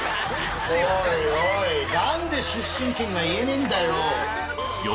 おいおいなんで出身県が言えねえんだよ。